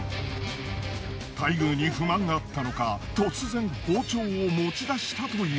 待遇に不満があったのか突然包丁を持ち出したという。